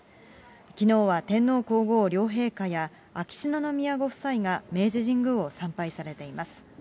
きのうは天皇皇后両陛下や秋篠宮ご夫妻が明治神宮を参拝されています。